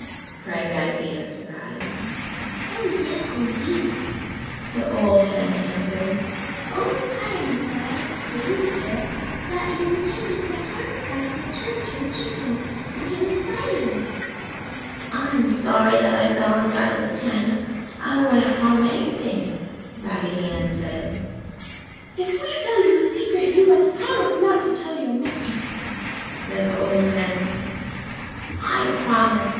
cried Raggedy Ann in surprise. "Oh yes, indeed!" the old hen answered, "Old Ironsides, the rooster, thought you intended to harm some of the children chickens and he was fighting you!" "I am sorry that I fell inside the pen, I wouldn't harm anything," Raggedy Ann said. "If we tell you a secret you must promise not to tell your mistress!" said the old hens. "I promise!